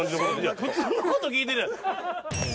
普通のこと聞いてるやん。